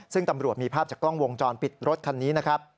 ซึ่งตำรวจมีภาพจากกล้องวงจรปิดรถคันนี้นะครับ